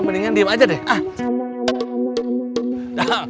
mendingan diam aja deh